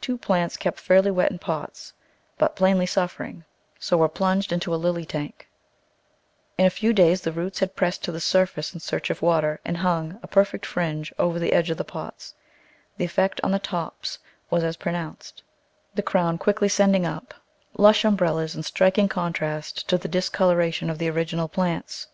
Two plants kept fairly wet in pots, but plainly suffering, so were plunged into a lily tank; in a few days the roots had pressed to the surface in search of water, and hung, a perfect fringe, over the edge of the pots. The effect on the tops was as pro nounced — the crown quickly sending up lush green Digitized by Google 74 The Flower Garden [Chapter umbrellas in striking contrast to the discolouration of the original plants.